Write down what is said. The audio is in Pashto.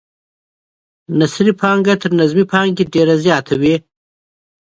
نثري پانګه تر نظمي پانګې ډیره زیاته وي.